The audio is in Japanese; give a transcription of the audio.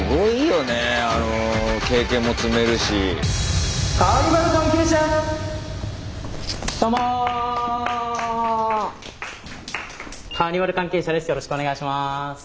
よろしくお願いします。